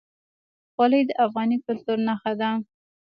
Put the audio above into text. خولۍ د افغاني کلتور نښه ده.